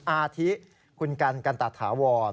อาทิคุณกันกันตะถาวร